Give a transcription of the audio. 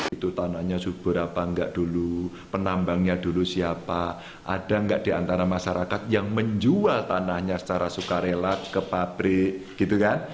itu tanahnya subur apa enggak dulu penambangnya dulu siapa ada nggak di antara masyarakat yang menjual tanahnya secara sukarela ke pabrik gitu kan